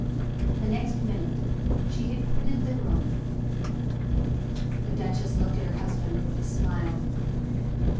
The next minute she had quitted the room. The duchess looked at her husband with a smile.